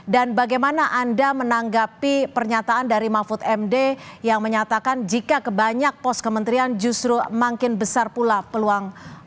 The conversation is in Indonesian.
dan bagaimana anda menanggapi pernyataan dari mahfud md yang menyatakan jika kebanyak pos kementerian justru makin besar pula peluangnya